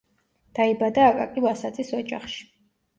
დაიბადა აკაკი ვასაძის ოჯახში.